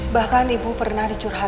bahkan ibu pernah dicurahkan